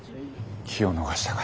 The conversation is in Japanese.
機を逃したか。